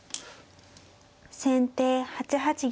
先手８八玉。